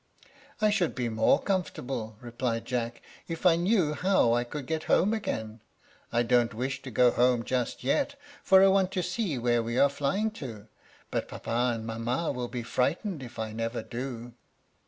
"I should be more comfortable," replied Jack, "if I knew how I could get home again. I don't wish to go home just yet, for I want to see where we are flying to, but papa and mamma will be frightened if I never do."